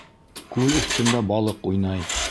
КҮЛ ӨҪТӨНДӘ БАЛЫҠ УЙНАЙ